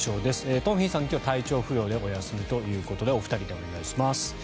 東輝さん、今日、体調不良でお休みということでお二人でお願いします。